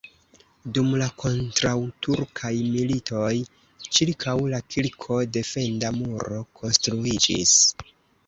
Dum la kontraŭturkaj militoj ĉirkaŭ la kirko defenda muro konstruiĝis.